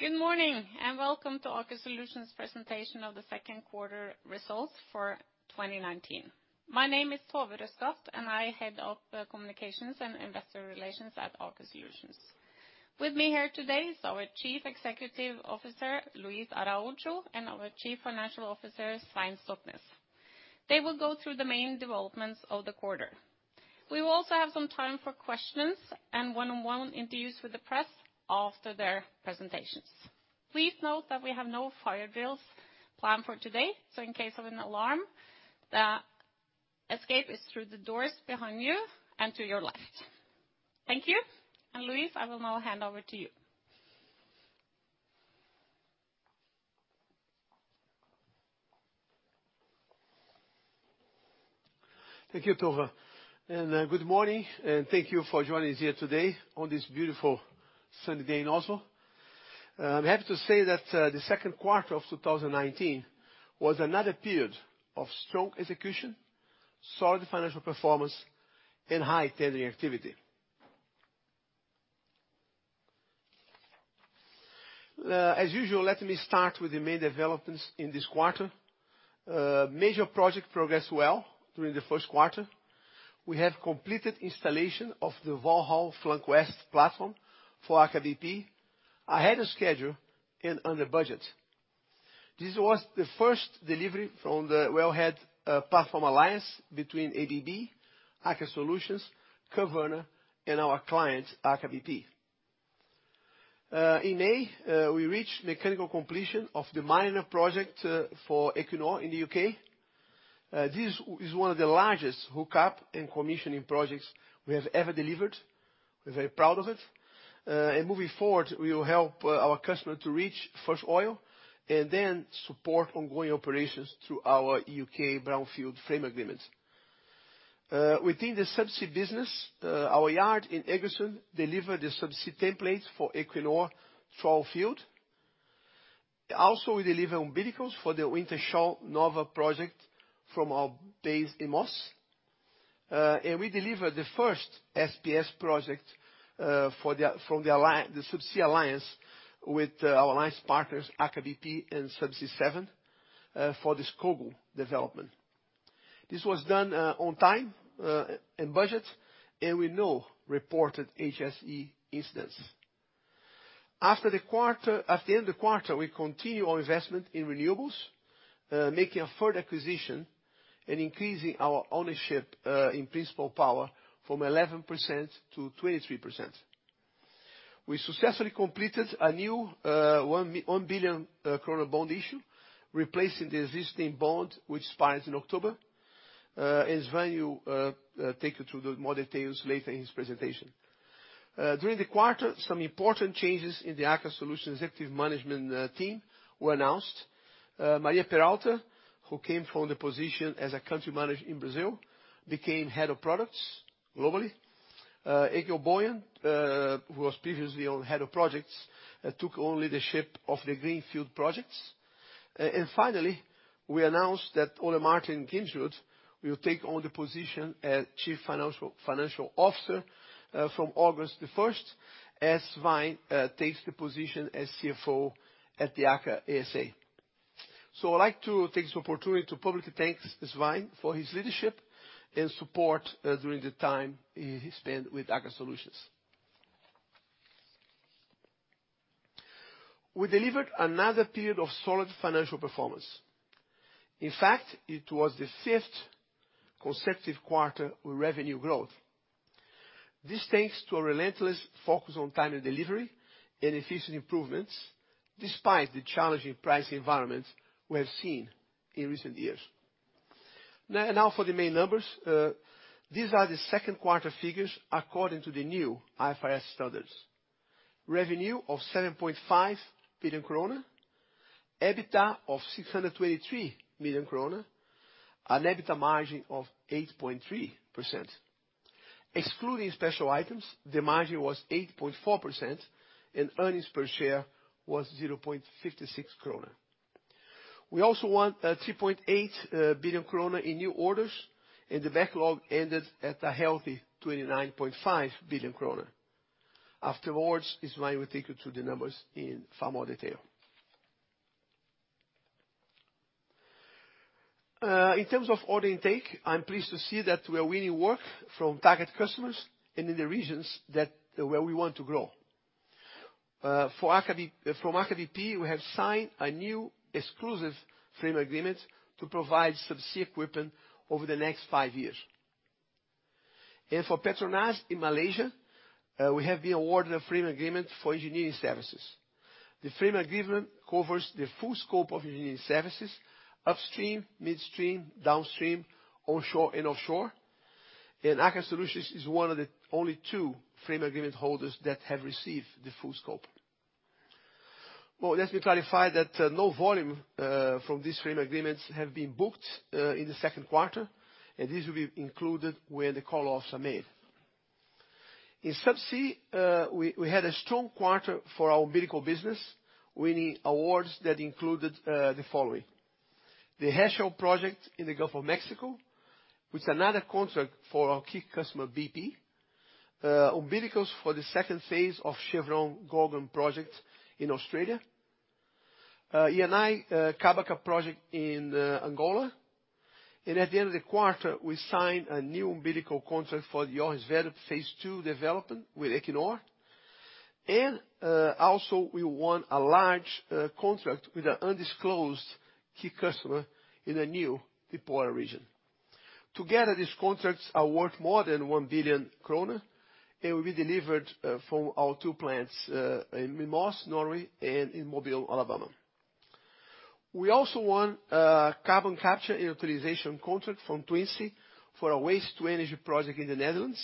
Good morning, welcome to Aker Solutions presentation of the second quarter results for 2019. My name is Tove Røskaft, and I head up communications and investor relations at Aker Solutions. With me here today is our Chief Executive Officer, Luis Araujo, and our Chief Financial Officer, Svein Stoknes. They will go through the main developments of the quarter. We will also have some time for questions and one-on-one interviews with the press after their presentations. Please note that we have no fire drills planned for today, so in case of an alarm, the escape is through the doors behind you and to your left. Thank you. Luis, I will now hand over to you. Thank you, Tove. Good morning, and thank you for joining us here today on this beautiful sunny day in Oslo. I'm happy to say that the second quarter of 2019 was another period of strong execution, solid financial performance, and high tendering activity. As usual, let me start with the main developments in this quarter. Major project progressed well during the first quarter. We have completed installation of the Valhall Flank West platform for Aker BP ahead of schedule and under budget. This was the first delivery from the wellhead platform alliance between ABB, Aker Solutions, Kværner, and our client, Aker BP. In May, we reached mechanical completion of the Mariner project for Equinor in the U.K. This is one of the largest hookup and commissioning projects we have ever delivered. We're very proud of it. Moving forward, we will help our customer to reach first oil and then support ongoing operations through our U.K. Brownfield frame agreement. Within the subsea business, our yard in Egersund delivered the subsea template for Equinor Troll field. Also, we deliver umbilicals for the Wintershall Nova project from our base in Moss. We delivered the first SPS project for the subsea alliance with our alliance partners, Aker BP and Subsea 7, for the Skogul development. This was done on time and budget, and with no reported HSE incidents. After the quarter, at the end of the quarter, we continue our investment in renewables, making a further acquisition and increasing our ownership in Principle Power from 11% to 23%. We successfully completed a new 1 billion NOK bond issue, replacing the existing bond which expires in October. Svein will take you through the more details later in his presentation. During the quarter, some important changes in the Aker Solutions executive management team were announced. Maria Peralta, who came from the position as a country manager in Brazil, became head of products globally. Eigil Boen, who was previously our head of projects, took on leadership of the Greenfield Projects. Finally, we announced that Ole Martin Grimsrud will take on the position as Chief Financial Officer from August 1st, as Svein takes the position as CFO at the Aker ASA. I'd like to take this opportunity to publicly thank Svein Oskar Stoknes for his leadership and support during the time he spent with Aker Solutions. We delivered another period of solid financial performance. In fact, it was the fifth consecutive quarter with revenue growth. This thanks to a relentless focus on time and delivery and efficient improvements despite the challenging pricing environment we have seen in recent years. Now for the main numbers. These are the second quarter figures according to the new IFRS standards. Revenue of 7.5 billion kroner, EBITDA of 623 million kroner, an EBITDA margin of 8.3%. Excluding special items, the margin was 8.4% and earnings per share was 0.56 krone. We also won 3.8 billion krone in new orders and the backlog ended at a healthy 29.5 billion krone. Afterwards, Svein will take you through the numbers in far more detail. In terms of order intake, I'm pleased to see that we are winning work from target customers and in the regions that, where we want to grow. From Aker BP, we have signed a new exclusive frame agreement to provide subsea equipment over the next five years. For PETRONAS in Malaysia, we have been awarded a frame agreement for engineering services. The frame agreement covers the full scope of engineering services, upstream, midstream, downstream, onshore and offshore. Aker Solutions is one of the only two frame agreement holders that have received the full scope. Well, let me clarify that no volume from these frame agreements have been booked in the second quarter, and this will be included when the call-offs are made. In Subsea, we had a strong quarter for our umbilical business, winning awards that included the following. The Herschel project in the Gulf of Mexico, with another contract for our key customer, BP, umbilicals for the second phase of Chevron Gorgon project in Australia. Eni Cabaça project in Angola. At the end of the quarter, we signed a new umbilical contract for the Johan Sverdrup Phase 2 development with Equinor. Also we won a large contract with an undisclosed key customer in a new deepwater region. Together, these contracts are worth more than 1 billion kroner and will be delivered from our two plants in Moss, Norway and in Mobile, Alabama. We also won a carbon capture and utilization contract from Twence for a waste-to-energy project in the Netherlands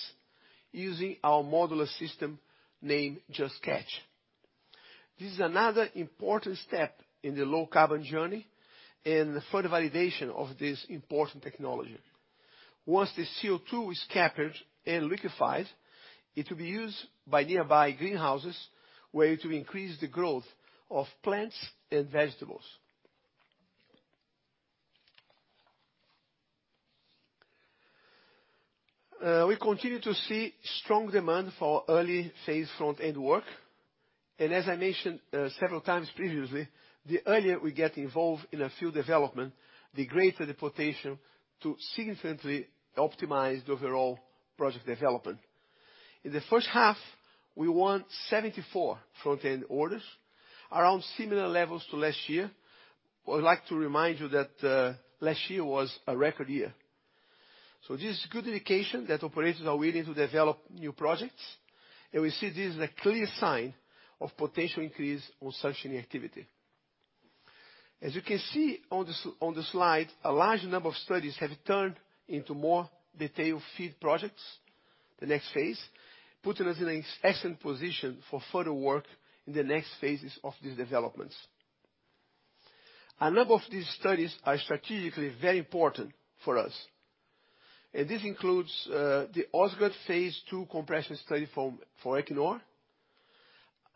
using our modular system named Just Catch. This is another important step in the low-carbon journey and further validation of this important technology. Once the CO2 is captured and liquified, it will be used by nearby greenhouses where it will increase the growth of plants and vegetables. We continue to see strong demand for early phase front-end work, and as I mentioned several times previously, the earlier we get involved in a field development, the greater the potential to significantly optimize the overall project development. In the first half, we won 74 front-end orders, around similar levels to last year. I would like to remind you that last year was a record year. This is a good indication that operators are willing to develop new projects, and we see this as a clear sign of potential increase on submarine activity. As you can see on the slide, a large number of studies have turned into more detailed field projects, the next phase, putting us in an excellent position for further work in the next phases of these developments. A number of these studies are strategically very important for us, and this includes the Oseberg Phase II compression study for Equinor.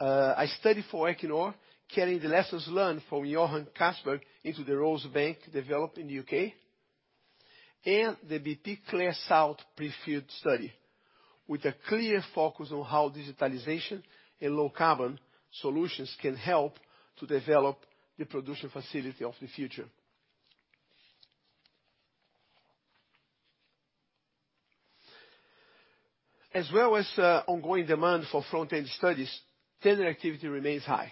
A study for Equinor carrying the lessons learned from Johan Castberg into the Rosebank development in the U.K. The BP Clair South pre-field study, with a clear focus on how digitalization and low-carbon solutions can help to develop the production facility of the future. As well as ongoing demand for front-end studies, tender activity remains high.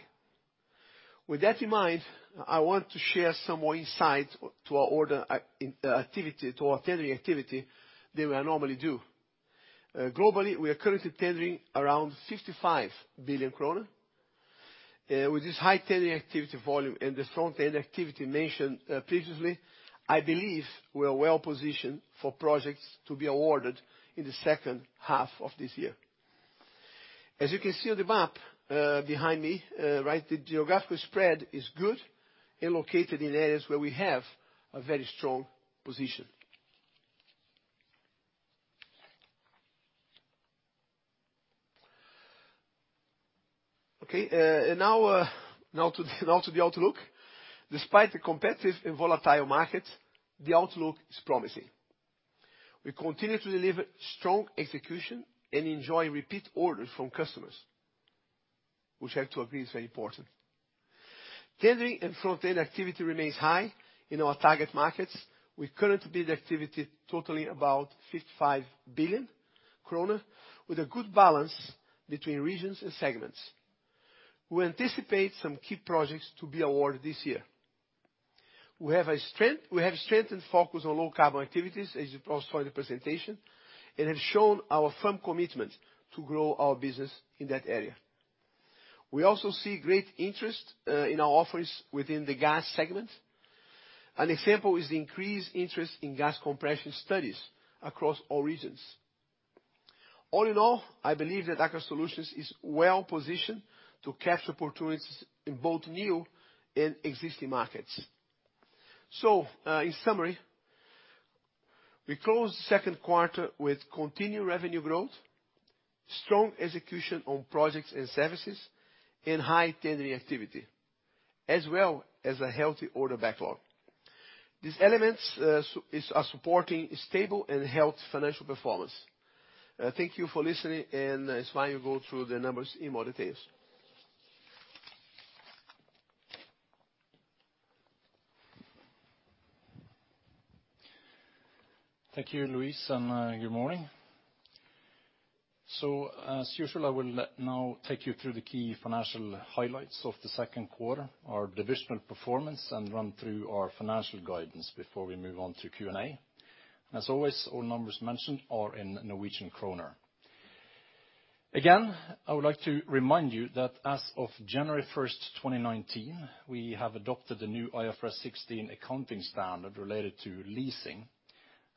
With that in mind, I want to share some more insight to our tendering activity than we normally do. Globally, we are currently tendering around 55 billion kroner. With this high tendering activity volume and the front-end activity mentioned previously, I believe we are well-positioned for projects to be awarded in the second half of this year. As you can see on the map behind me, right, the geographical spread is good and located in areas where we have a very strong position. Okay, and now to the outlook. Despite the competitive and volatile market, the outlook is promising. We continue to deliver strong execution and enjoy repeat orders from customers, which I have to agree is very important. Tendering and front-end activity remains high in our target markets, with current bid activity totaling about 55 billion kroner with a good balance between regions and segments. We anticipate some key projects to be awarded this year. We have strengthened focus on low-carbon activities, as you probably saw in the presentation, and have shown our firm commitment to grow our business in that area. We also see great interest in our offerings within the gas segment. An example is the increased interest in gas compression studies across all regions. All in all, I believe that Aker Solutions is well-positioned to capture opportunities in both new and existing markets. In summary, we closed the second quarter with continued revenue growth, strong execution on projects and services, and high tendering activity, as well as a healthy order backlog. These elements are supporting stable and healthy financial performance. Thank you for listening, Svein will go through the numbers in more details. Thank you, Luis, and good morning. As usual, I will now take you through the key financial highlights of the second quarter, our divisional performance, and run through our financial guidance before we move on to Q&A. As always, all numbers mentioned are in Norwegian kroner. Again, I would like to remind you that as of January 1, 2019, we have adopted the new IFRS 16 accounting standard related to leasing.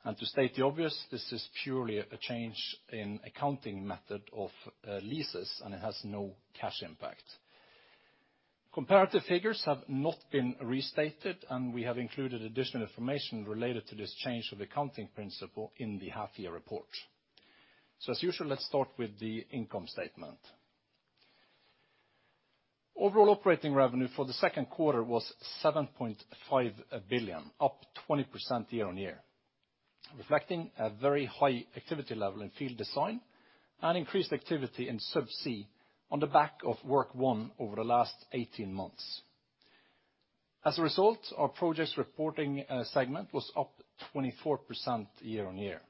To state the obvious, this is purely a change in accounting method of leases, and it has no cash impact. Comparative figures have not been restated, and we have included additional information related to this change of accounting principle in the half year report. As usual, let's start with the income statement. Overall operating revenue for the second quarter was 7.5 billion, up 20% year-on-year, reflecting a very high activity level in field design and increased activity in subsea on the back of work one over the last 18 months. As a result, our projects reporting segment was up 24% year-on-year.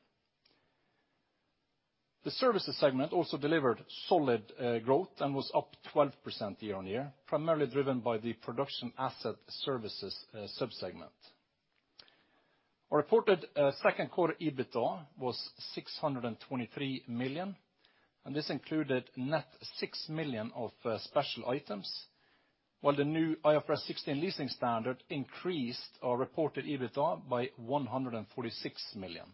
The services segment also delivered solid growth and was up 12% year-on-year, primarily driven by the production asset services sub-segment. Our reported second quarter EBITDA was 623 million, and this included net 6 million of special items. While the new IFRS 16 leasing standard increased our reported EBITDA by 146 million.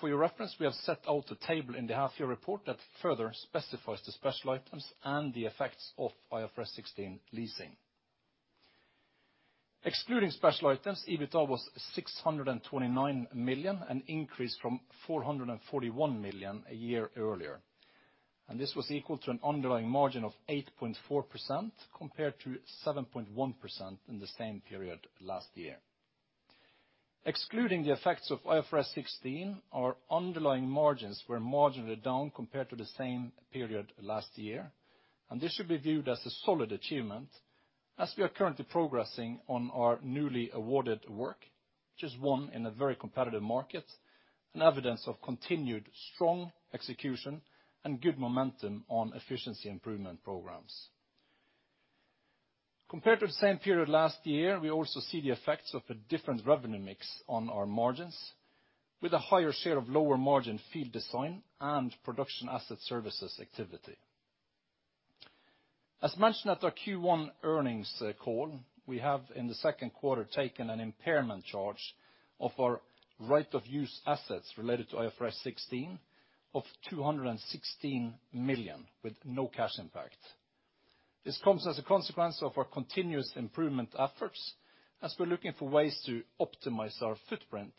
For your reference, we have set out a table in the half year report that further specifies the special items and the effects of IFRS 16 leasing. Excluding special items, EBITDA was 629 million, an increase from 441 million a year earlier. This was equal to an underlying margin of 8.4% compared to 7.1% in the same period last year. Excluding the effects of IFRS 16, our underlying margins were marginally down compared to the same period last year. This should be viewed as a solid achievement, as we are currently progressing on our newly awarded work, which is won in a very competitive market, an evidence of continued strong execution and good momentum on efficiency improvement programs. Compared to the same period last year, we also see the effects of a different revenue mix on our margins with a higher share of lower margin field design and production asset services activity. Mentioned at our Q1 earnings call, we have, in the second quarter, taken an impairment charge of our right of use assets related to IFRS 16 of 216 million with no cash impact. This comes as a consequence of our continuous improvement efforts as we're looking for ways to optimize our footprint,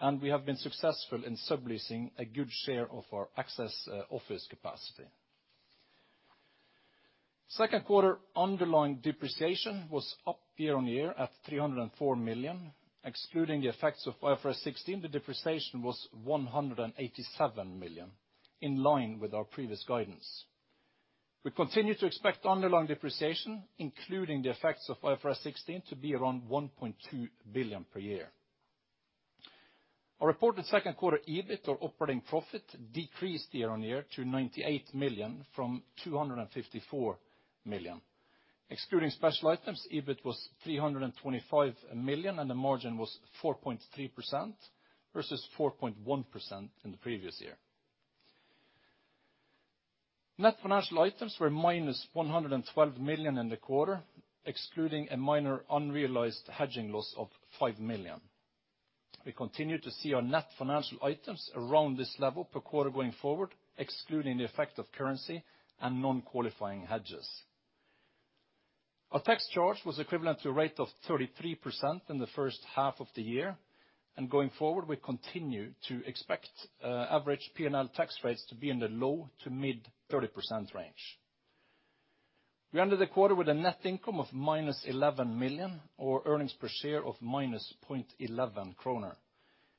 and we have been successful in subleasing a good share of our excess office capacity. Second quarter underlying depreciation was up year-on-year at 304 million. Excluding the effects of IFRS 16, the depreciation was 187 million, in line with our previous guidance. We continue to expect underlying depreciation, including the effects of IFRS 16, to be around 1.2 billion per year. Our reported second quarter EBIT or operating profit decreased year-on-year to 98 million from 254 million. Excluding special items, EBIT was 325 million, and the margin was 4.3% versus 4.1% in the previous year. Net financial items were -112 million in the quarter, excluding a minor unrealized hedging loss of 5 million. We continue to see our net financial items around this level per quarter going forward, excluding the effect of currency and non-qualifying hedges. Our tax charge was equivalent to a rate of 33% in the first half of the year. Going forward, we continue to expect average P&L tax rates to be in the low to mid-30% range. We ended the quarter with a net income of minus 11 million, or earnings per share of minus 0.11 kroner.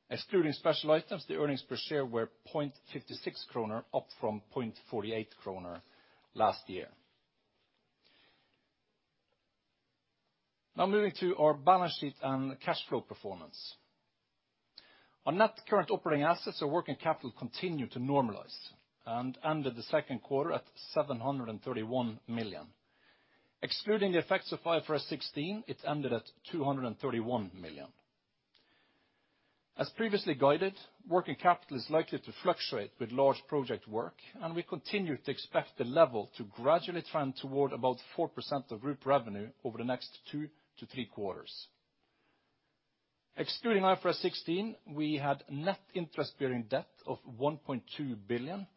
Excluding special items, the earnings per share were 0.56 kroner, up from 0.48 kroner last year. Moving to our balance sheet and cash flow performance. On net current operating assets, our working capital continued to normalize, and ended the second quarter at 731 million. Excluding the effects of IFRS 16, it ended at 231 million. As previously guided, working capital is likely to fluctuate with large project work, and we continue to expect the level to gradually trend toward about 4% of group revenue over the next two to three quarters. Excluding IFRS 16, we had net interest-bearing debt of 1.2 billion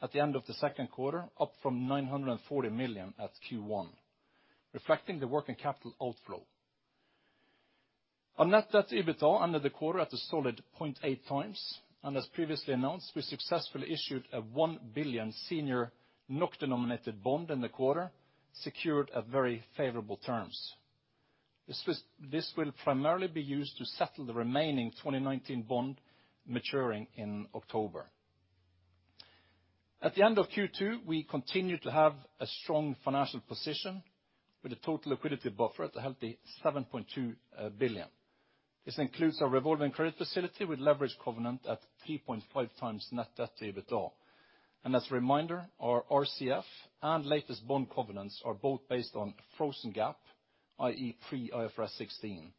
at the end of the second quarter, up from 940 million at Q1, reflecting the working capital outflow. Our net debt to EBITDA ended the quarter at a solid 0.8 times. As previously announced, we successfully issued a 1 billion senior NOK-denominated bond in the quarter, secured at very favorable terms. This will primarily be used to settle the remaining 2019 bond maturing in October. At the end of Q2, we continued to have a strong financial position with a total liquidity buffer at a healthy 7.2 billion. This includes our revolving credit facility with leverage covenant at 3.5 times net debt to EBITDA. As a reminder, our RCF and latest bond covenants are both based on frozen GAAP, i.e., pre-IFRS 16.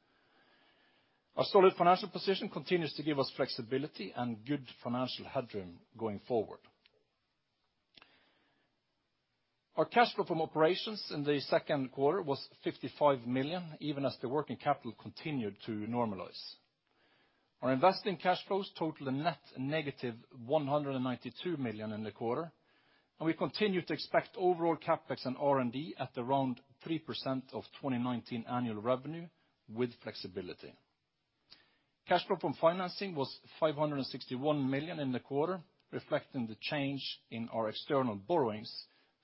Our solid financial position continues to give us flexibility and good financial headroom going forward. Our cash flow from operations in the second quarter was 55 million, even as the working capital continued to normalize. Our investing cash flows totaled a net negative 192 million in the quarter. We continue to expect overall CapEx and R&D at around 3% of 2019 annual revenue with flexibility. Cash flow from financing was $561 million in the quarter, reflecting the change in our external borrowings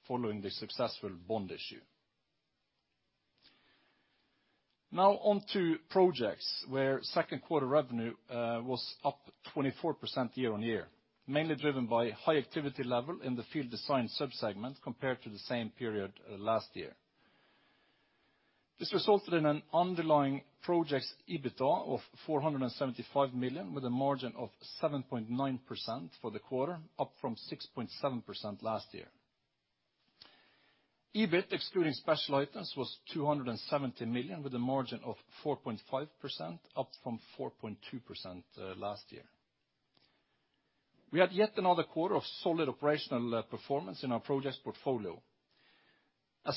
following the successful bond issue. On to projects, where second quarter revenue was up 24% year-on-year, mainly driven by high activity level in the field design sub-segment compared to the same period last year. This resulted in an underlying projects EBITDA of 475 million, with a margin of 7.9% for the quarter, up from 6.7% last year. EBIT, excluding special items, was 270 million, with a margin of 4.5%, up from 4.2% last year. We had yet another quarter of solid operational performance in our projects portfolio.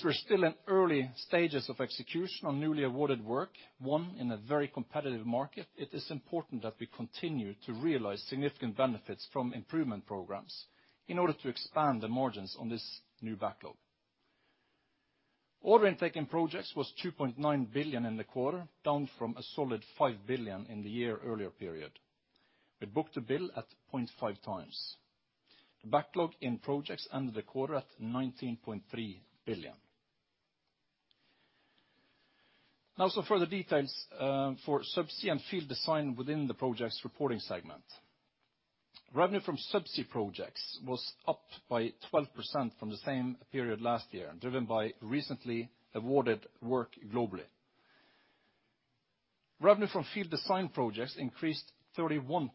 We're still in early stages of execution on newly awarded work, in a very competitive market, it is important that we continue to realize significant benefits from improvement programs in order to expand the margins on this new backlog. Order intake in projects was 2.9 billion in the quarter, down from a solid 5 billion in the year earlier period. We booked a bill at 0.5 times. The backlog in projects ended the quarter at 19.3 billion. Some further details for subsea and field design within the Projects reporting segment. Revenue from subsea projects was up by 12% from the same period last year, driven by recently awarded work globally. Revenue from field design projects increased 31%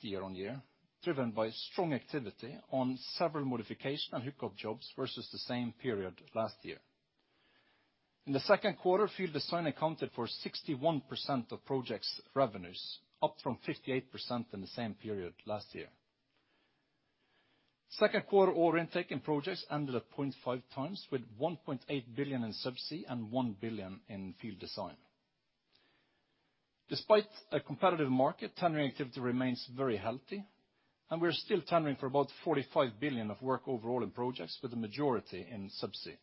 year-on-year, driven by strong activity on several modification and hookup jobs versus the same period last year. In the second quarter, field design accounted for 61% of projects revenues, up from 58% in the same period last year. Second quarter order intake in projects ended at 0.5 times, with 1.8 billion in subsea and 1 billion in field design. Despite a competitive market, tendering activity remains very healthy, and we're still tendering for about 45 billion of work overall in projects with a majority in subsea.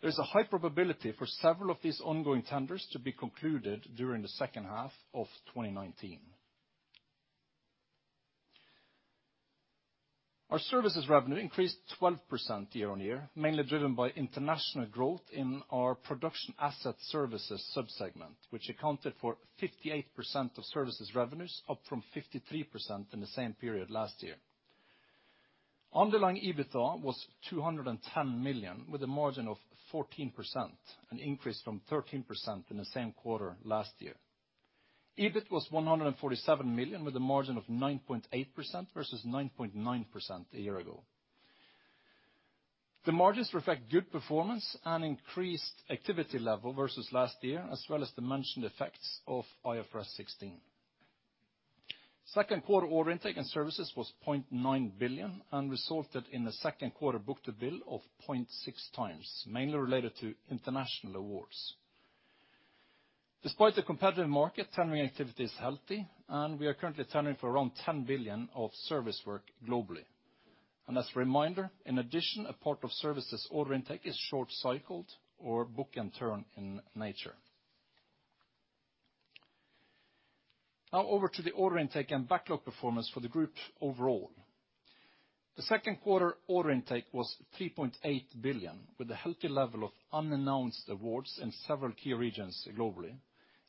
There's a high probability for several of these ongoing tenders to be concluded during the second half of 2019. Our services revenue increased 12% year-on-year, mainly driven by international growth in our production asset services sub-segment, which accounted for 58% of services revenues, up from 53% in the same period last year. Underlying EBITDA was 210 million, with a margin of 14%, an increase from 13% in the same quarter last year. EBIT was 147 million, with a margin of 9.8% versus 9.9% a year ago. The margins reflect good performance and increased activity level versus last year, as well as the mentioned effects of IFRS 16. Second quarter order intake and services was 0.9 billion, resulted in the second quarter book-to-bill of 0.6 times, mainly related to international awards. Despite the competitive market, tendering activity is healthy, we are currently tendering for around 10 billion of service work globally. As a reminder, in addition, a part of services order intake is short cycled or book-and-turn in nature. Now over to the order intake and backlog performance for the group overall. The second quarter order intake was 3.8 billion, with a healthy level of unannounced awards in several key regions globally,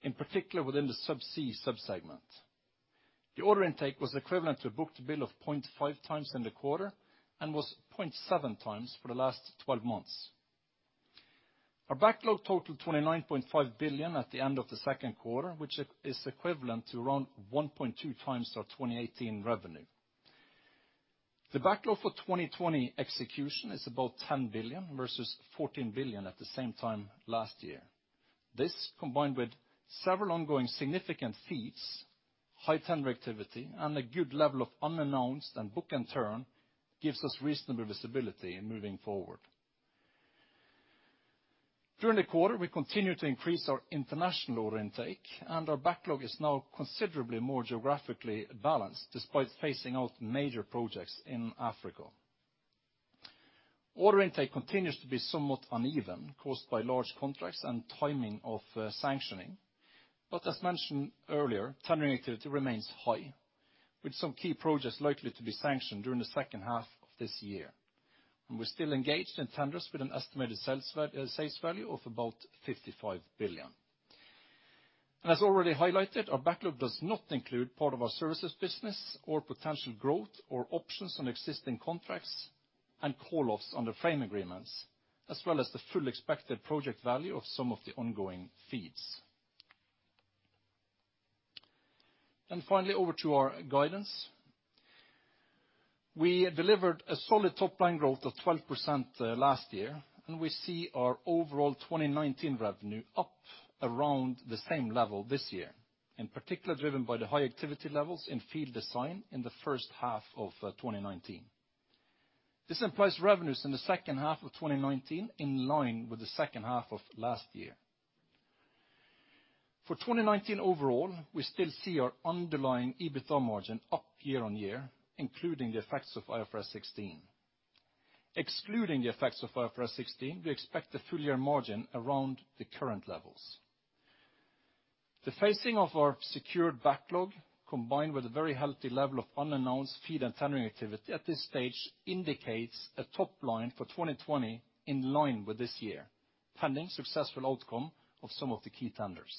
in particular within the subsea sub-segment. The order intake was equivalent to a book-to-bill of 0.5 times in the quarter and was 0.7 times for the last 12 months. Our backlog totaled 29.5 billion at the end of the second quarter, which is equivalent to around 1.2 times our 2018 revenue. The backlog for 2020 execution is about 10 billion versus 14 billion at the same time last year. This, combined with several ongoing significant FEEDs, high tendering activity, and a good level of unannounced and book-to-bill, gives us reasonable visibility in moving forward. During the quarter, we continued to increase our international order intake, and our backlog is now considerably more geographically balanced despite phasing out major projects in Africa. Order intake continues to be somewhat uneven, caused by large contracts and timing of sanctioning. As mentioned earlier, tendering activity remains high, with some key projects likely to be sanctioned during the second half of this year. We're still engaged in tenders with an estimated sales value of about 55 billion. As already highlighted, our backlog does not include part of our services business or potential growth or options on existing contracts and call-offs under frame agreements, as well as the full expected project value of some of the ongoing FEEDs. Finally, over to our guidance. We delivered a solid top-line growth of 12% last year, and we see our overall 2019 revenue up around the same level this year, in particular driven by the high activity levels in field design in the first half of 2019. This implies revenues in the second half of 2019 in line with the second half of last year. For 2019 overall, we still see our underlying EBITDA margin up year-on-year, including the effects of IFRS 16. Excluding the effects of IFRS 16, we expect the full year margin around the current levels. The phasing of our secured backlog, combined with a very healthy level of unannounced FEED and tendering activity at this stage indicates a top line for 2020 in line with this year, pending successful outcome of some of the key tenders.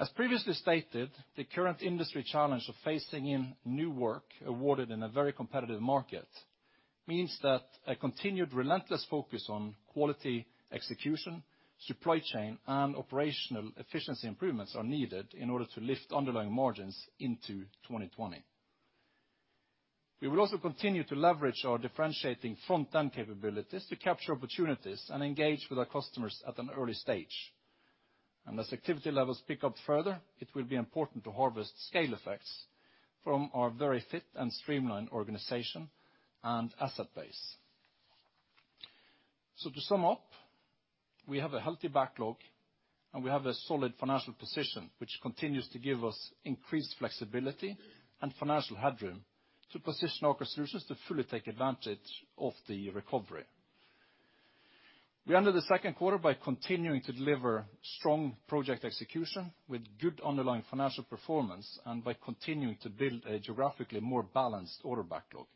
As previously stated, the current industry challenge of phasing in new work awarded in a very competitive market means that a continued relentless focus on quality, execution, supply chain, and operational efficiency improvements are needed in order to lift underlying margins into 2020. We will also continue to leverage our differentiating front-end capabilities to capture opportunities and engage with our customers at an early stage. As activity levels pick up further, it will be important to harvest scale effects from our very fit and streamlined organization and asset base. To sum up, we have a healthy backlog, and we have a solid financial position, which continues to give us increased flexibility and financial headroom to position our resources to fully take advantage of the recovery. We ended the second quarter by continuing to deliver strong project execution with good underlying financial performance and by continuing to build a geographically more balanced order backlog.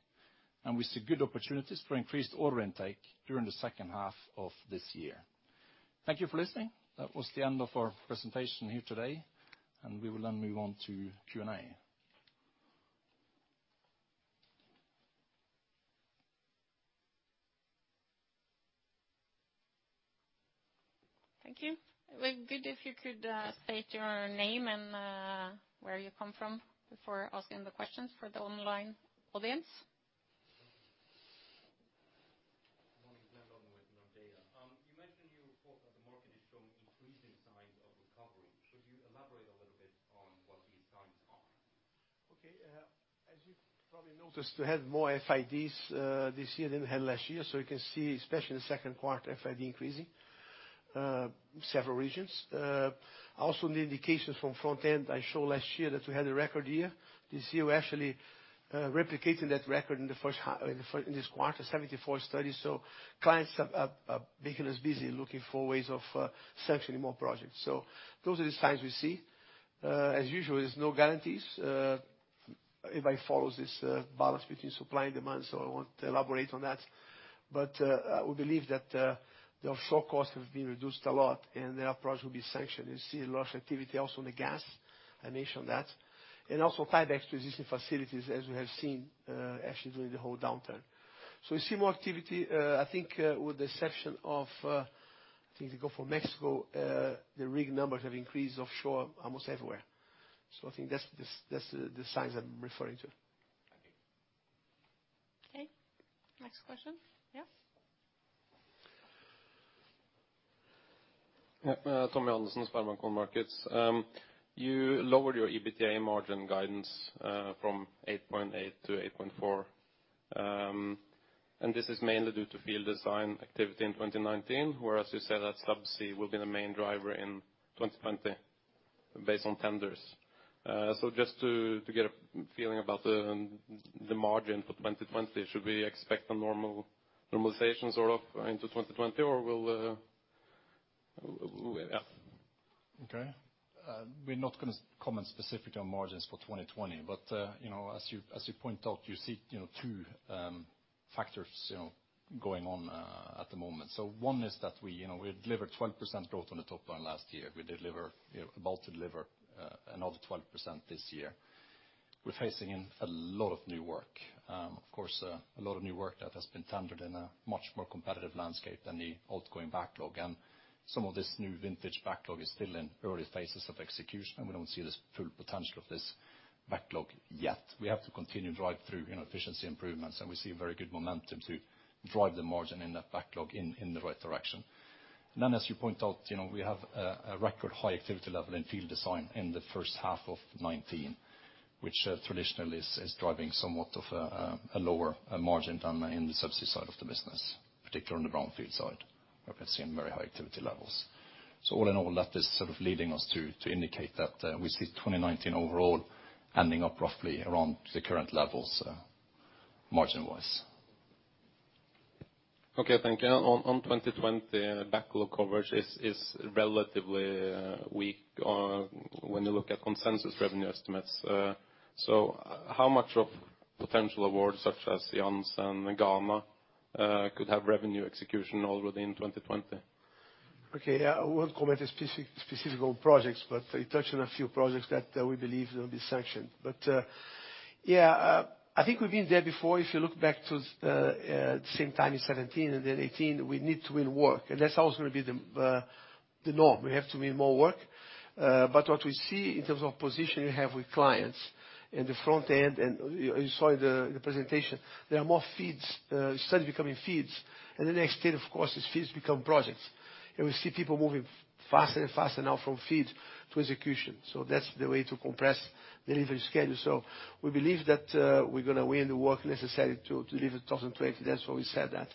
We see good opportunities for increased order intake during the second half of this year. Thank you for listening. That was the end of our presentation here today, and we will then move on to Q&A. Thank you. It would be good if you could state your name and where you come from before asking the questions for the online audience. Good morning, it's Glenn Lunde with Nordea. You mentioned in your report that the market is showing increasing signs of recovery. Could you elaborate a little bit on what these signs are? Okay. As you probably noticed, we had more FIDs this year than we had last year. You can see, especially in the second quarter, FID increasing several regions. Also the indications from front end, I showed last year that we had a record year. This year, we're actually replicating that record in the first half in this quarter, 74 studies. Clients are making us busy looking for ways of sanctioning more projects. Those are the signs we see. As usual, there's no guarantees if I follow this balance between supply and demand, so I won't elaborate on that. We believe that the offshore costs have been reduced a lot, and their projects will be sanctioned. You see a lot of activity also in the gas. I mentioned that. Also tiebacks to existing facilities, as we have seen, actually during the whole downturn. We see more activity, I think, with the exception of, I think if you go for Mexico, the rig numbers have increased offshore almost everywhere. I think that's the signs I'm referring to. Thank you. Okay. Next question. Yeah. Tommy Johannessen, SpareBank 1 Markets. You lowered your EBITDA margin guidance from 8.8% to 8.4%, and this is mainly due to field design activity in 2019, whereas you said that subsea will be the main driver in 2020 based on tenders. Just to get a feeling about the margin for 2020, should we expect a normal normalization sort of into 2020, or will? Okay. We're not gonna comment specifically on margins for 2020, but, you know, as you point out, you see, you know, two factors, you know, going on at the moment. One is that we, you know, we delivered 12% growth on the top line last year. We deliver, you know, about to deliver another 12% this year. We're facing in a lot of new work. Of course, a lot of new work that has been tendered in a much more competitive landscape than the outgoing backlog. Some of this new vintage backlog is still in early phases of execution, and we don't see this full potential of this backlog yet. We have to continue to drive through, you know, efficiency improvements, and we see very good momentum to drive the margin in that backlog in the right direction. As you point out, you know, we have a record high activity level in field design in the first half of 2019, which traditionally is driving somewhat of a lower margin than in the subsea side of the business, particularly on the brownfield side, where we're seeing very high activity levels. All in all, that is sort of leading us to indicate that we see 2019 overall ending up roughly around the current levels, margin-wise. Okay, thank you. On 2020, backlog coverage is relatively weak when you look at consensus revenue estimates. How much of potential awards such as Jansz-Io and Gama could have revenue execution already in 2020? Okay. Yeah, I won't comment specific on projects. You touched on a few projects that we believe will be sanctioned. Yeah, I think we've been there before. If you look back to the same time in 2017 and then 2018, we need to win work. That's always gonna be the norm. We have to win more work. What we see in terms of position we have with clients in the front end and you saw in the presentation, there are more FEED studies becoming FEED. The next step, of course, is FEED become projects. We see people moving faster and faster now from FEED to execution. That's the way to compress delivery schedule. We believe that we're gonna win the work necessary to deliver 2020. That's why we said that.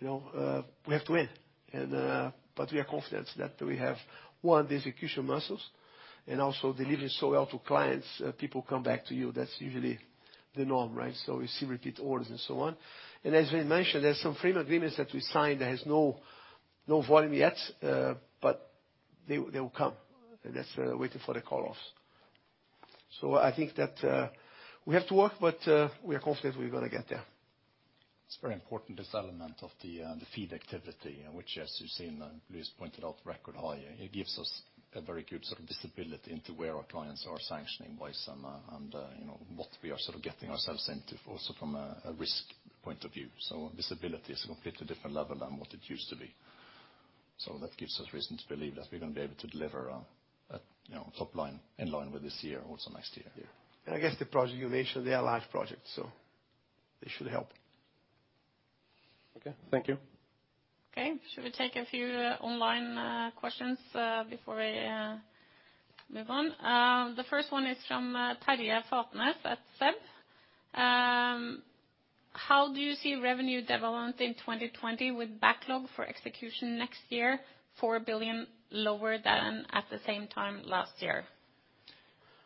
You know, we have to win and, but we are confident that we have, one, the execution muscles and also delivering so well to clients, people come back to you. That's usually the norm, right? We see repeat orders and so on. As we mentioned, there's some frame agreements that we signed that has no volume yet, but they will come. That's waiting for the call-offs. I think that we have to work, but we are confident we're gonna get there. It's very important, this element of the FEED activity, which as you've seen and Luis pointed out, record high. It gives us a very good sort of visibility into where our clients are sanctioning-wise and, you know, what we are sort of getting ourselves into also from a risk point of view. Visibility is a completely different level than what it used to be. That gives us reason to believe that we're gonna be able to deliver a, you know, top line in line with this year, also next year. Yeah. I guess the project you mentioned, they are live projects, so they should help. Okay. Thank you. Okay. Shall we take a few online questions before I move on? The first one is from Tord Aasen Augestad at SEB. How do you see revenue development in 2020 with backlog for execution next year, 4 billion lower than at the same time last year?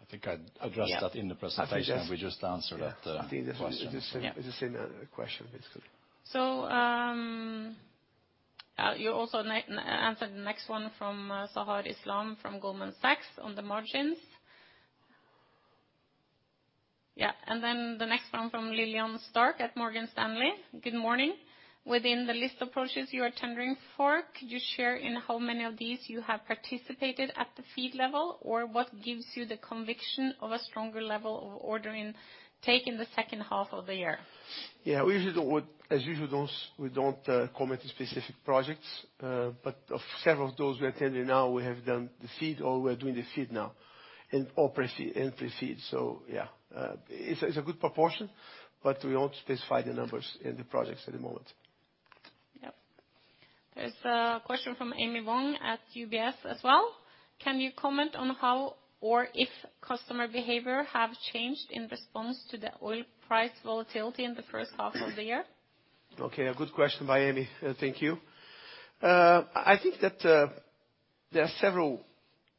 I think I addressed that in the presentation. Yeah. I think. We just answered that question. It's the same, it's the same question, basically. You also answered the next one from Sahar Islam from Goldman Sachs on the margins. The next one from Lillian Starke at Morgan Stanley. Good morning. Within the list approaches you are tendering for, could you share in how many of these you have participated at the FEED level or what gives you the conviction of a stronger level of ordering take in the second half of the year? Yeah. We usually don't comment on specific projects. Of several of those we are tendering now, we have done the FEED or we're doing the FEED now. In opera FEED, entry FEED. Yeah. It's a good proportion, we won't specify the numbers in the projects at the moment. Yep. There's a question from Amy Wong at UBS as well. Can you comment on how or if customer behavior have changed in response to the oil price volatility in the first half of the year? Okay, a good question by Amy Wong. Thank you. I think that there are several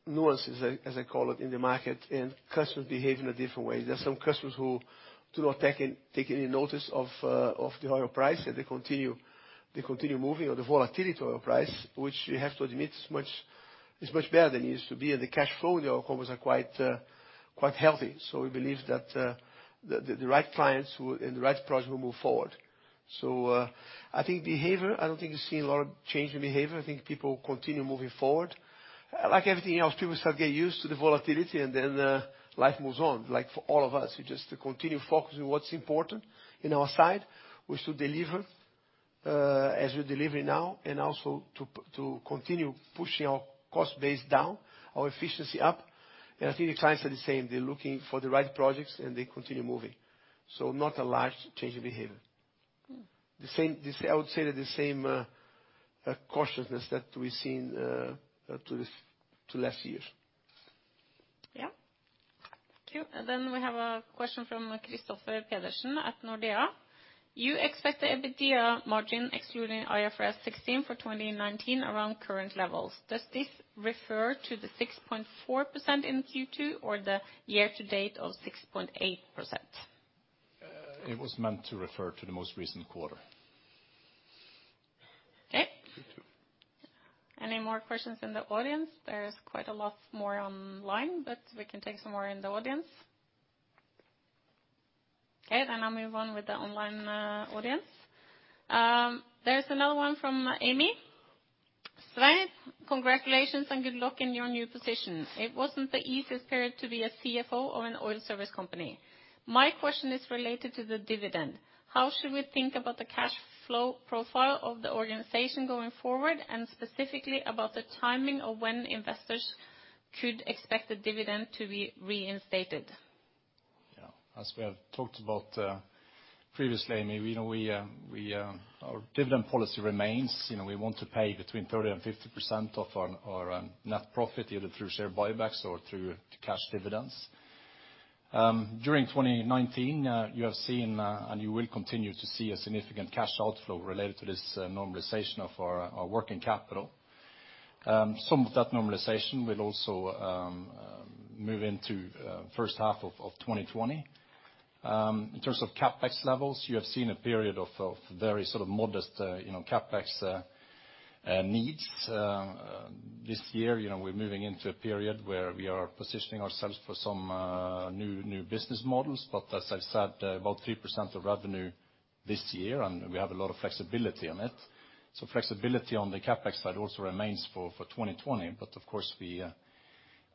nuances, as I call it, in the market, and customers behave in a different way. There are some customers who do not take any notice of the oil price, and they continue moving or the volatility oil price, which we have to admit is much better than it used to be. The cash flow in the oil companies are quite healthy. We believe that the right clients who, and the right project will move forward. I think behavior, I don't think you're seeing a lot of change in behavior. I think people continue moving forward. Like everything else, people start getting used to the volatility and then life moves on. Like for all of us, we just continue focusing what's important in our side. We should deliver as we're delivering now and also to continue pushing our cost base down, our efficiency up. I think the clients are the same. They're looking for the right projects, and they continue moving. Not a large change in behavior. The same, I would say the same cautiousness that we've seen to last year. Yeah. Thank you. We have a question from Christopher Pande at Nordea. You expect the EBITDA margin excluding IFRS 16 for 2019 around current levels. Does this refer to the 6.4% in Q2 or the year to date of 6.8%? It was meant to refer to the most recent quarter. Okay. Any more questions in the audience? There is quite a lot more online, but we can take some more in the audience. Okay, I'll move on with the online audience. There's another one from Amy. Svein, congratulations and good luck in your new position. It wasn't the easiest period to be a CFO of an oil service company. My question is related to the dividend. How should we think about the cash flow profile of the organization going forward, and specifically about the timing of when investors could expect the dividend to be reinstated? Yeah. As we have talked about previously, Amy, you know, our dividend policy remains. You know, we want to pay between 30% and 50% of our net profit, either through share buybacks or through cash dividends. During 2019, you have seen and you will continue to see a significant cash outflow related to this normalization of our working capital. Some of that normalization will also move into first half of 2020. In terms of CapEx levels, you have seen a period of very sort of modest, you know, CapEx needs. This year, you know, we're moving into a period where we are positioning ourselves for some new business models. As I said, about 3% of revenue this year, and we have a lot of flexibility on it. Flexibility on the CapEx side also remains for 2020. Of course,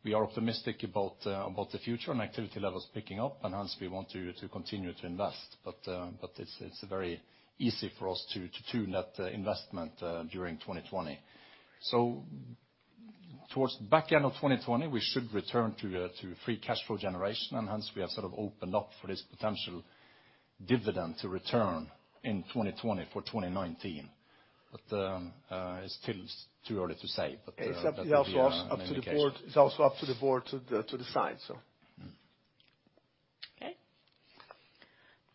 we are optimistic about the future and activity levels picking up, and hence we want to continue to invest. It's very easy for us to tune that investment during 2020. Towards back end of 2020, we should return to free cash flow generation, and hence we have sort of opened up for this potential dividend to return in 2020 for 2019. It's still too early to say, but that would be our communication. It's up, it's also up to the board, it's also up to the board to decide, so.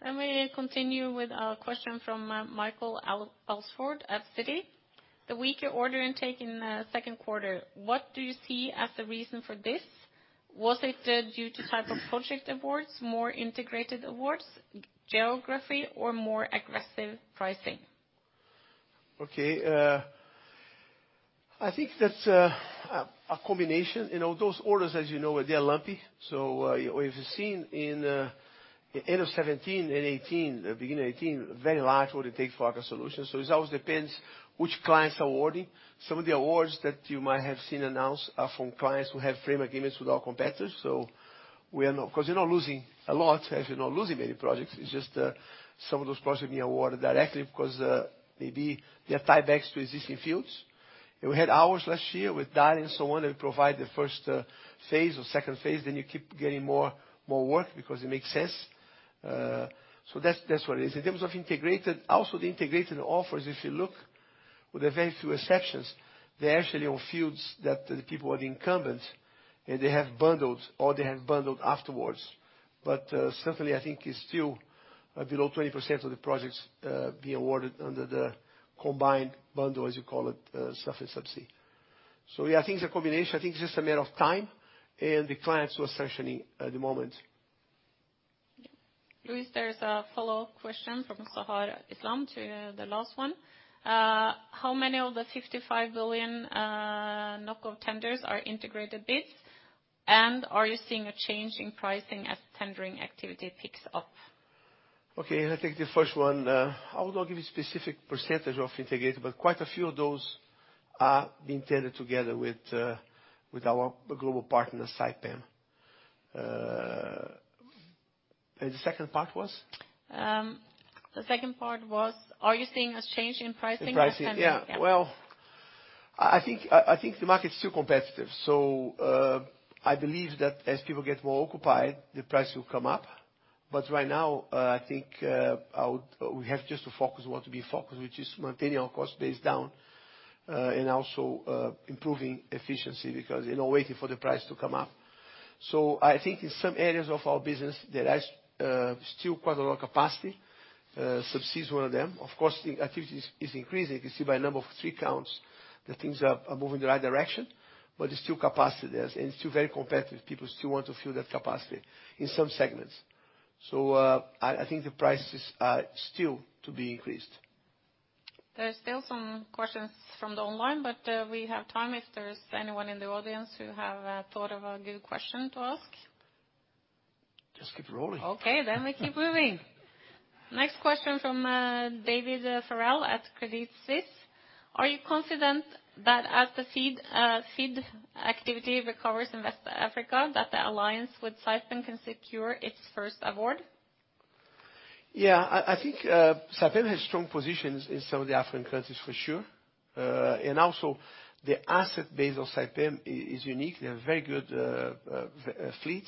We continue with a question from Michael Alsford at Citi. The weaker order intake in second quarter, what do you see as the reason for this? Was it due to type of project awards, more integrated awards, geography or more aggressive pricing? Okay. I think that's a combination. You know, those orders, as you know, they are lumpy. We've seen in end of 17 and 18, the beginning of 18, very large order take for Aker Solutions. It always depends which clients are awarding. Some of the awards that you might have seen announced are from clients who have frame agreements with our competitors. We are not... 'cause we're not losing a lot, actually not losing any projects. It's just some of those projects are being awarded directly because maybe they are tiebacks to existing fields. We had ours last year with Dale and so on, that we provide the first phase or second phase, then you keep getting more work because it makes sense. That's what it is. In terms of integrated, also the integrated offers, if you look with very few exceptions, they're actually on fields that the people are the incumbent, and they have bundled or they have bundled afterwards. Certainly I think it's still below 20% of the projects being awarded under the combined bundle, as you call it, SURF and subsea. Yeah, I think it's a combination. I think it's just a matter of time and the clients who are searching at the moment. Luis, there is a follow-up question from Sahar Islam to the last one. How many of the 55 billion of tenders are integrated bids? Are you seeing a change in pricing as tendering activity picks up? Okay, I'll take the first one. I will not give you specific percentage of integrated, but quite a few of those are being tended together with our global partner, Saipem. The second part was? The second part was, are you seeing a change in pricing? The pricing? Yeah. Yeah. I think, I think the market is still competitive. I believe that as people get more occupied, the price will come up. Right now, I think, we have just to focus what we focus, which is maintaining our cost base down, and also, improving efficiency because, you know, waiting for the price to come up. I think in some areas of our business, there is, still quite a lot of capacity, subsea is one of them. Of course, the activities is increasing. You see by number of three counts that things are moving in the right direction, but there's still capacity there, and it's still very competitive. People still want to fill that capacity in some segments. I think the prices are still to be increased. There's still some questions from the online, but we have time if there's anyone in the audience who have thought of a good question to ask. Just keep rolling. Okay, we keep moving. Next question from David Farrell at Credit Suisse. Are you confident that as the FEED activity recovers in West Africa, that the alliance with Saipem can secure its first award? Yeah. I think Saipem has strong positions in some of the African countries for sure. Also the asset base of Saipem is unique. They have very good fleet.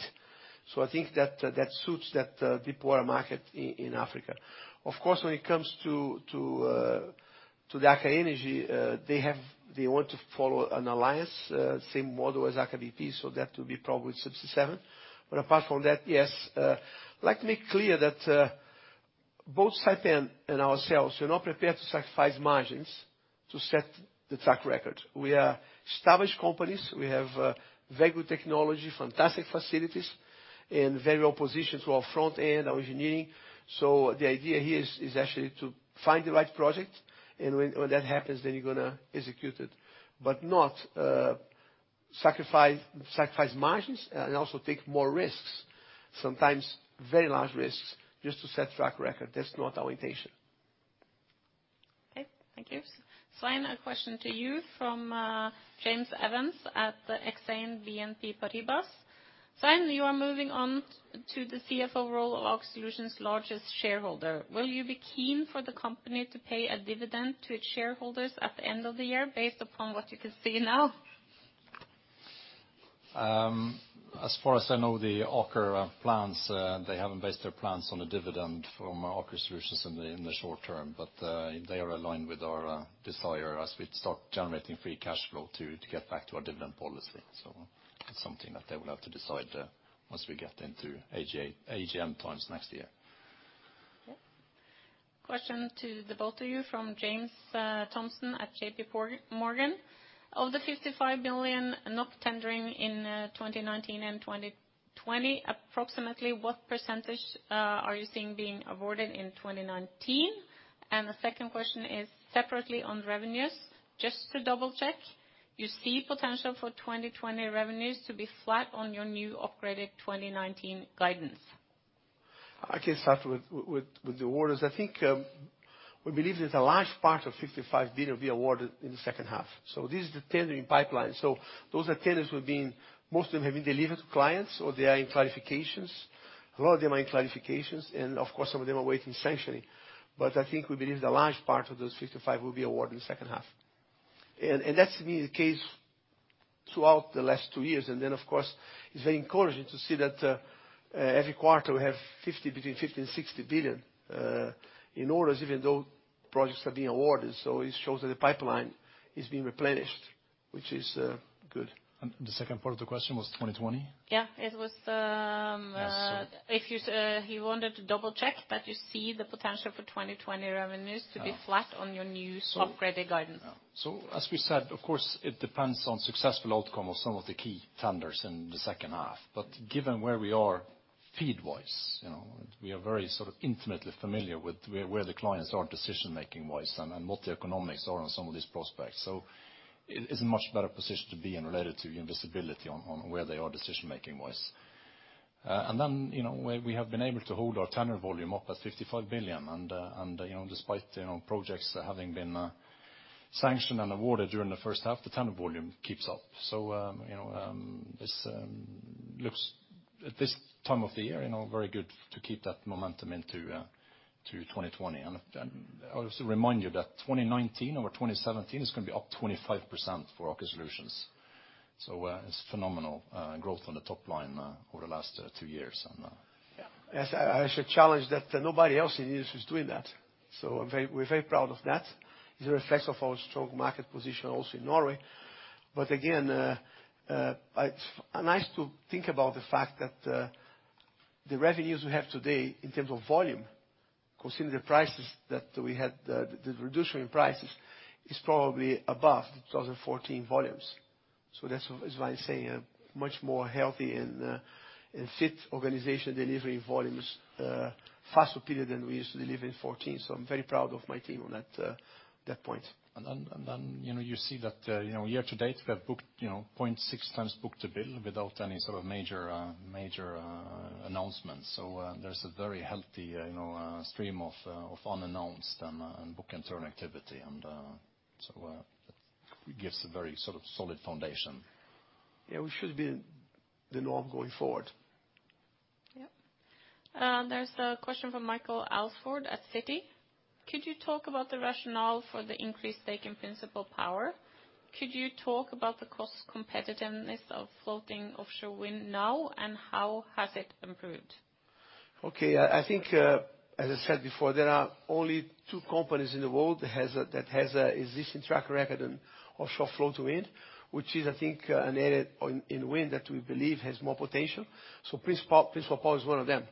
I think that suits that deeper market in Africa. Of course, when it comes to the Aker Energy, they want to follow an alliance, same model as Aker BP, that will be probably Subsea 7. Apart from that, yes, I'd like to make clear that both Saipem and ourselves, we're not prepared to sacrifice margins to set the track record. We are established companies. We have very good technology, fantastic facilities and very well-positioned to our front end, our engineering. The idea here is actually to find the right project, and when that happens, then you're gonna execute it. Not sacrifice margins, and also take more risks, sometimes very large risks, just to set track record. That's not our intention. Okay. Thank you. Svein, a question to you from James Evans at Exane BNP Paribas. Svein, you are moving on to the CFO role of Aker Solutions' largest shareholder. Will you be keen for the company to pay a dividend to its shareholders at the end of the year based upon what you can see now? As far as I know, the Aker plans, they haven't based their plans on a dividend from Aker Solutions in the short term. They are aligned with our desire as we start generating free cash flow to get back to our dividend policy. It's something that they will have to decide once we get into AGM times next year. Okay. Question to the both of you from James Thompson at JPMorgan. Of the 55 billion tendering in 2019 and 2020, approximately what % are you seeing being awarded in 2019? The second question is separately on revenues. Just to double-check, you see potential for 2020 revenues to be flat on your new upgraded 2019 guidance? I can start with the orders. We believe there's a large part of 55 billion will be awarded in the second half. This is the tendering pipeline. Those are tenders, most of them have been delivered to clients, or they are in clarifications. A lot of them are in clarifications, and of course, some of them are waiting sanctioning. We believe the large part of those 55 billion will be awarded in the second half. That's been the case throughout the last two years. Of course, it's very encouraging to see that every quarter we have between 50 billion and 60 billion in orders, even though projects are being awarded. It shows that the pipeline is being replenished, which is good. The second part of the question was 2020? Yeah. It was, Yes. If you wanted to double-check that you see the potential for 2020 revenues. Yeah. -to be flat on your new upgraded guidance. As we said, of course, it depends on successful outcome of some of the key tenders in the second half. Given where we are FEED-wise, you know, we are very sort of intimately familiar with where the clients are decision-making wise, and what the economics are on some of these prospects. It's a much better position to be in related to your visibility on where they are decision-making wise. You know, we have been able to hold our tender volume up at 55 billion. You know, despite, you know, projects having been sanctioned and awarded during the first half, the tender volume keeps up. You know, this looks at this time of the year, you know, very good to keep that momentum into 2020. I'll just remind you that 2019 over 2017 is gonna be up 25% for Aker Solutions. It's phenomenal growth on the top line over the last two years. Yes, I should challenge that nobody else in the industry is doing that, so we're very proud of that. It's a reflection of our strong market position also in Norway. Again, it's nice to think about the fact that the revenues we have today in terms of volume, considering the prices that we had, the reduction in prices, is probably above 2014 volumes. That's why I say a much more healthy and fit organization delivering volumes faster period than we used to deliver in 2014. I'm very proud of my team on that point. Then, you know, you see that, you know, year to date, we have booked, you know, 0.6 times book-to-bill without any sort of major announcement. There's a very healthy, you know, stream of unannounced and book intern activity. It gives a very sort of solid foundation. Yeah, we should be the norm going forward. Yeah. There's a question from Michael Alsford at Citi. Could you talk about the rationale for the increased stake in Principle Power? Could you talk about the cost competitiveness of floating offshore wind now, and how has it improved? Okay. I think, as I said before, there are only two companies in the world that has an existing track record in offshore float wind, which is, I think, an area in wind that we believe has more potential. Principle Power is one of them.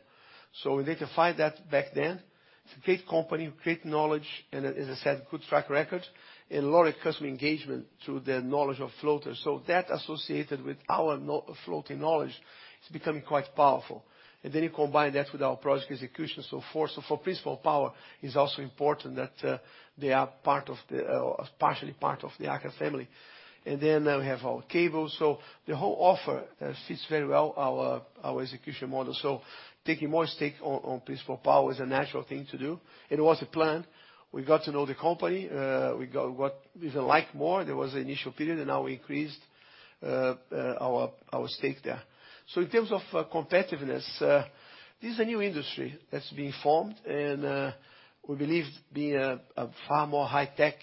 We need to find that back then. It's a great company, great knowledge, and as I said, good track record and a lot of customer engagement through their knowledge of floaters. That associated with our floating knowledge is becoming quite powerful. You combine that with our project execution so forth. For Principle Power is also important that they are part of the partially part of the Aker family. We have our cable. The whole offer fits very well our execution model. Taking more stake on Principle Power is a natural thing to do, and it was a plan. We got to know the company, we got what we even like more. There was initial period and now we increased our stake there. In terms of competitiveness, this is a new industry that's being formed, and we believe being a far more high-tech,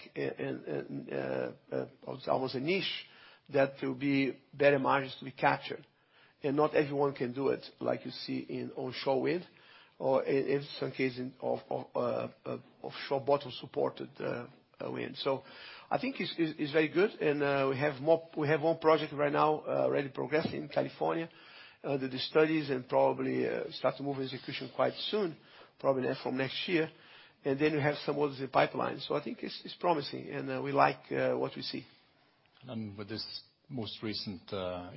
almost a niche that will be better margins to be captured. Not everyone can do it like you see in onshore wind or in some cases of offshore bottom supported wind. I think it's very good. We have more, we have one project right now, already progressing in California, the studies and probably start to move execution quite soon, probably from next year. You have some others in the pipeline. I think it's promising and we like what we see. With this most recent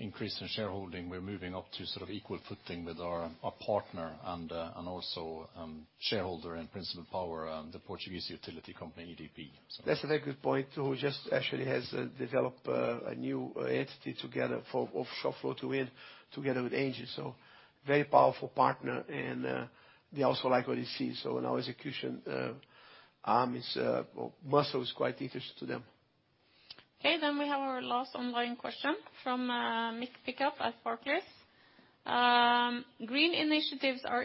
increase in shareholding, we're moving up to sort of equal footing with our partner and also shareholder in Principle Power, the Portuguese utility company, EDP. That's a very good point, too. Just actually has developed a new entity together for offshore float wind together with ENGIE. Very powerful partner, and they also like what they see. Our execution arm is muscle is quite interesting to them. Okay, we have our last online question from Mick Pickup at Barclays. Green initiatives are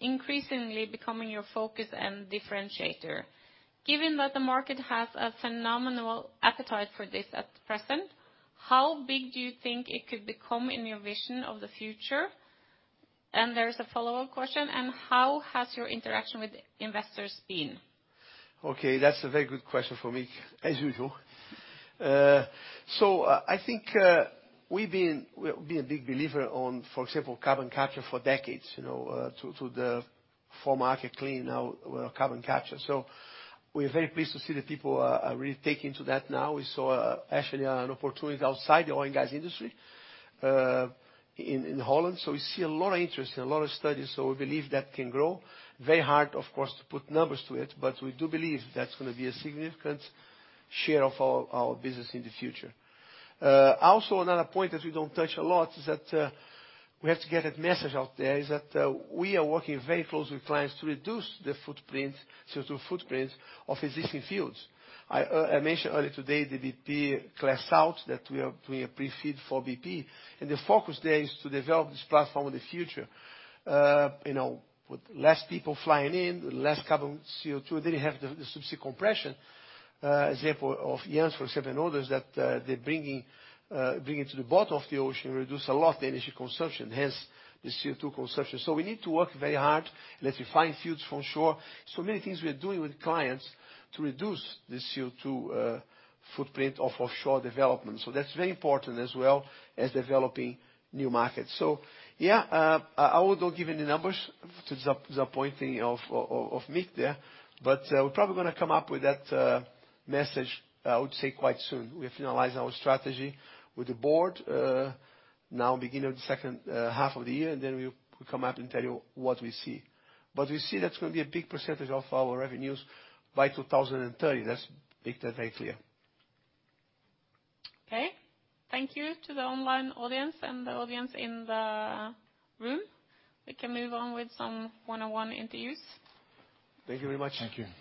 increasingly becoming your focus and differentiator. Given that the market has a phenomenal appetite for this at present, how big do you think it could become in your vision of the future? There's a follow-up question: and how has your interaction with investors been? Okay, that's a very good question for me, as usual. I think we've been a big believer on, for example, carbon capture for decades, you know, to the for market clean now carbon capture. We're very pleased to see that people are really taking to that now. We saw actually an opportunity outside the oil and gas industry in Holland. We see a lot of interest, a lot of studies. We believe that can grow. Very hard, of course, to put numbers to it, but we do believe that's gonna be a significant share of our business in the future. Also another point that we don't touch a lot is that, we have to get that message out there, is that, we are working very closely with clients to reduce the footprint, CO2 footprint of existing fields. I mentioned earlier today the BP Clair South that we are doing a pre-FEED for BP. The focus there is to develop this platform in the future, you know, with less people flying in, less carbon CO2. You have the subsea compression, example of Jansz, for example, and others that, they're bringing to the bottom of the ocean, reduce a lot the energy consumption, hence the CO2 consumption. We need to work very hard, and as we find fields from shore, so many things we are doing with clients to reduce the CO2, footprint of offshore development. That's very important as well as developing new markets. Yeah, I will don't give any numbers to disappointing of Mick there, but we're probably gonna come up with that message, I would say, quite soon. We have to analyze our strategy with the board, now beginning of the second half of the year, and then we'll come up and tell you what we see. We see that's gonna be a big percentage of our revenues by 2030. That's. Make that very clear. Okay. Thank you to the online audience and the audience in the room. We can move on with some one-on-one interviews. Thank you very much. Thank you.